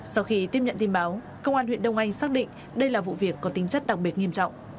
sau khi tiếp nhận tin báo công an huyện đông anh xác định đây là vụ việc có tính chất đặc biệt nghiêm trọng